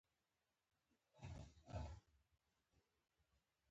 دا ما په خپل ژوند کې تجربه کړې ده.